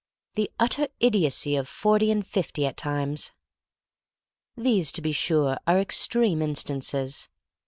The utter idiocy of forty and fifty at times! These, to be sure, are extreme in stances.